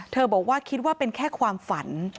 บอกว่าคิดว่าเป็นแค่ความฝัน